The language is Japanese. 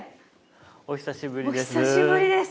お久しぶりです。